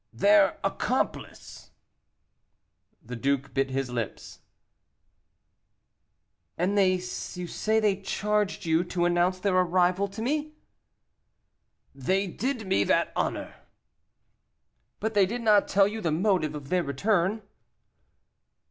"Their accomplice." The duke bit his lips. "And you say they charged you to announce their arrival to me?" "They did me that honour." "But they did not tell you the motive of their return?"